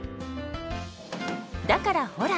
だからほら！